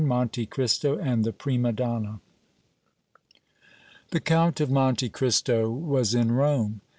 MONTE CRISTO AND THE PRIMA DONNA. The Count of Monte Cristo was in Rome.